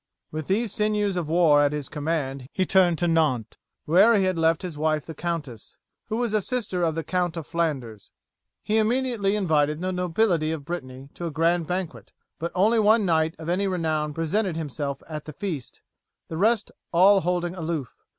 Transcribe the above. With these sinews of war at his command he turned to Nantes, where he had left his wife the countess, who was a sister of the Count of Flanders. He immediately invited the nobility of Brittany to a grand banquet, but only one knight of any renown presented himself at the feast, the rest all holding aloof.